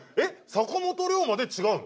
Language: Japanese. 坂本龍馬で違うの？